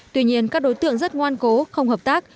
tuy nhiên các đối tượng rất ngoan cố không hợp tác